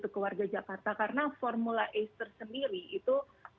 ke warga jakarta karena formula acer sendiri itu